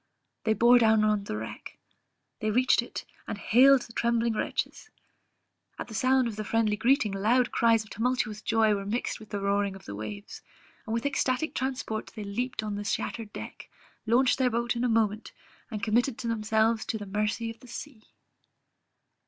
They bore down to the wreck; they reached it, and hailed the trembling wretches; at the sound of the friendly greeting, loud cries of tumultuous joy were mixed with the roaring of the waves, and with ecstatic transport they leaped on the shattered deck, launched their boat in a moment, and committed themselves to the mercy of the sea.